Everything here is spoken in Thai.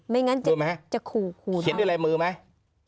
ไม่งั้นจะขู่ค่ะเขียนด้วยไรมือไหม